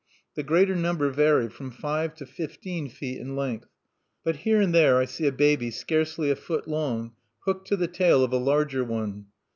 The greater number vary from five to fifteen feet in length; but here and there I see a baby scarcely a foot long, hooked to the tail of a larger one.